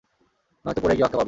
নয়তো পড়ে গিয়ে অক্কা পাবি।